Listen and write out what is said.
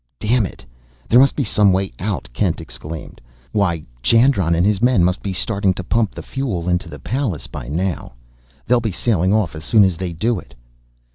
"Damn it, there must be some way out!" Kent exclaimed. "Why, Jandron and his men must be starting to pump that fuel into the Pallas by now! They'll be sailing off as soon as they do it!"